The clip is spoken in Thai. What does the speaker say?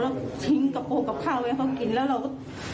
แล้วทิ้งกระโปรงกับข้าวให้เขากินแล้วเราก็